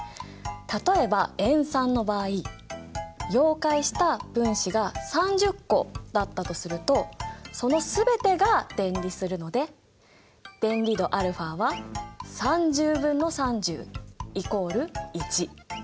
例えば塩酸の場合溶解した分子が３０個だったとするとその全てが電離するので電離度αは３０分の３０イコール１。